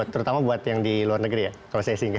terutama buat yang di luar negeri ya kalau saya singgah